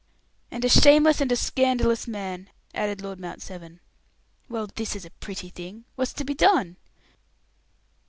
"And a shameless and a scandalous man," added Lord Mount Severn. "Well, this is a pretty thing. What's to be done?"